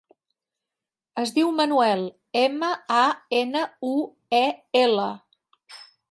Es diu Manuel: ema, a, ena, u, e, ela.